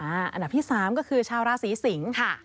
อันดับที่๓ก็คือชาวราศีสิงศ์ค่ะ